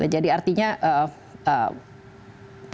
jadi artinya kita lihat orang per orang secara sistem